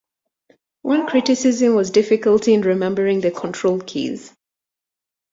One criticism was difficulty in remembering the control keys.